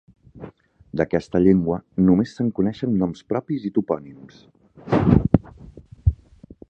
D'aquesta llengua només se'n coneixen noms propis i topònims.